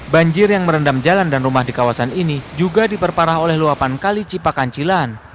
banjir yang merendam jalan dan rumah di kawasan ini juga diperparah oleh luapan kali cipakancilan